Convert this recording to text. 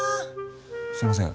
すいません